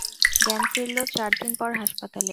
জ্ঞান ফিরল চারদিন পর হাসপাতালে।